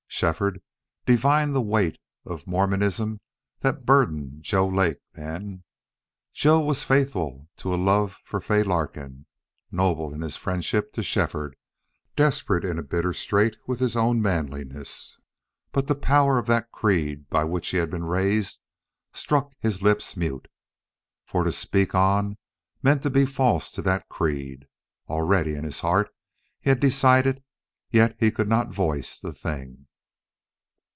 Shefford divined the weight of Mormonism that burdened Joe Lake then. Joe was faithful to a love for Fay Larkin, noble in friendship to Shefford, desperate in a bitter strait with his own manliness, but the power of that creed by which he had been raised struck his lips mute. For to speak on meant to be false to that creed. Already in his heart he had decided, yet he could not voice the thing.